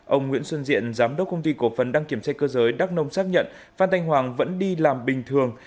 ông nguyễn xuân diện giám đốc công ty cổ phần đăng kiểm xe cơ giới đắc nông xác nhận phan thanh hoàng vẫn đi làm bình thường